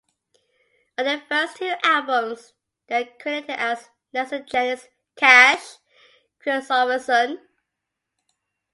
On their first two albums, they are credited as "Nelson, Jennings, Cash, Kristofferson".